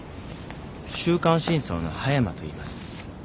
『週刊真相』の葉山といいます。